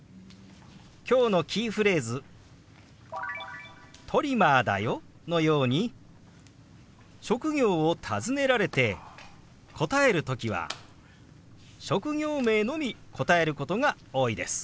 今日のキーフレーズ「トリマーだよ」のように職業を尋ねられて答える時は職業名のみ答えることが多いです。